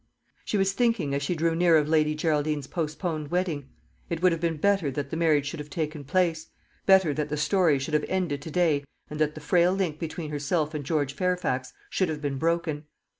She was thinking as she drew near of Lady Geraldine's postponed wedding. It would have been better that the marriage should have taken place; better that the story should have ended to day and that the frail link between herself and George Fairfax should have been broken.